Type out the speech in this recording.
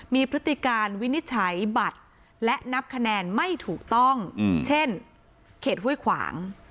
มีพฤติการวินิจฉัยบัตรและนับคะแนนไม่ถูกต้องเช่นเขตห้วยขวาง